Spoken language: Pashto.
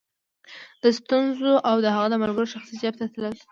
د سټیونز او د هغه د ملګرو شخصي جېب ته تلل.